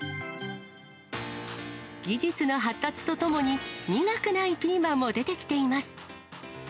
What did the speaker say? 技術の発達とともに、苦くないピーマンも出てきています。